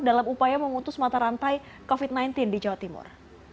dalam upaya memutus mata rantai covid sembilan belas di jawa timur